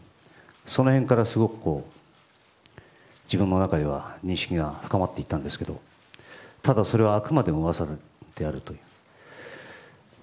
その辺から、すごく自分の中では認識が深まっていったんですけどただそれはあくまでも噂であるという。